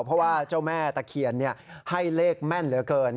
เพราะว่าเจ้าแม่ตะเคียนให้เลขแม่นเหลือเกิน